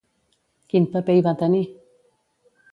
Quin paper hi va tenir?